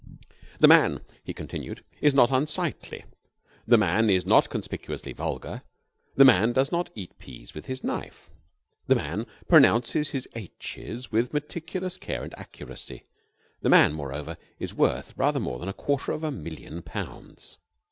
"The man," he continued, "is not unsightly. The man is not conspicuously vulgar. The man does not eat peas with his knife. The man pronounces his aitches with meticulous care and accuracy. The man, moreover, is worth rather more than a quarter of a million pounds.